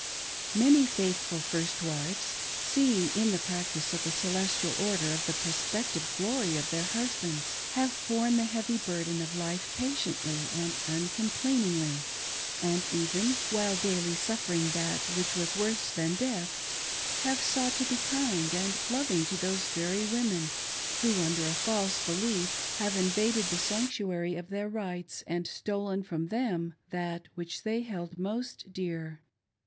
Many faithful first wives, seeing in the practice of the celestial order the prospec tive glory of their husband^, have borne the heavy, burden of life patiently and uncomplainingly, and even, while daily suffer ing that which was worse than death, have sought to be kind and loving to those very women, who under a false belief have; inva, ded the sanctuary of their rights and stolen from them that which they held most dear.